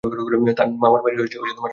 তার মামার বাড়ি রাজশাহীতে।